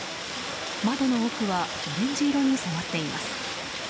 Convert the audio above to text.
窓の奥はオレンジ色に染まっています。